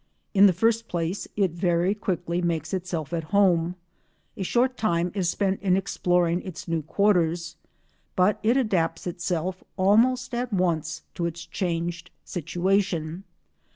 In the first place, it very quickly makes itself at home; a short time is spent in exploring its new quarters, but it adapts itself almost at once to its changed situation.